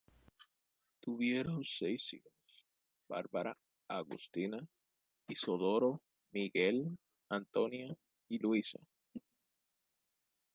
Tuvieron seis hijos Bárbara, Agustina, Isidoro, Miguel, Antonia y Luisa.